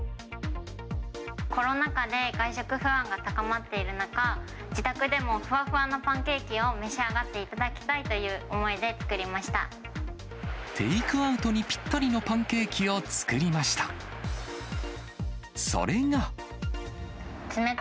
コロナ禍で外食不安が高まっている中、自宅でもふわふわのパンケーキを召し上がっていただきたいというテイクアウトにぴったりのパンケーキを作りました。